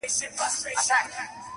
لېونو سره پرته د عشق معنا وي-